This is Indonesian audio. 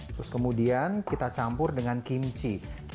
terus kemudian kita campur dengan kimchi